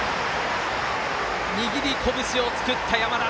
握り拳を作った山田。